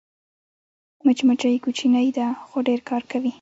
مچمچۍ کوچنۍ ده خو ډېر کار کوي